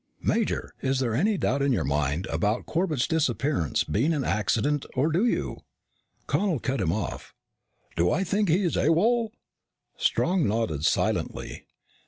"Major, is there any doubt in your mind about Corbett's disappearance being an accident or do you " Connel cut him off. "Do I think he's AWOL?" Strong nodded silently.